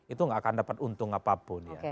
itu gak akan dapat untung apapun ya